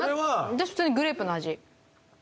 私普通にグレープの味。